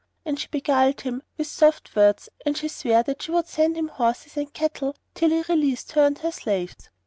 And she beguiled him with soft words and she sware that she would send him horses and cattle, till he released her and her slaves.